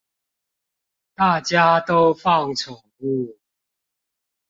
大家都放寵物